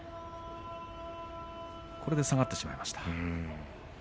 それで下がってしまいました。